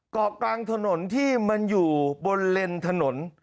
เกาะกลางถนนที่มันอยู่บนเลนถนน